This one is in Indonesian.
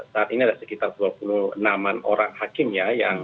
saat ini ada sekitar dua puluh enam an orang hakim ya